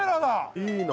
いいな！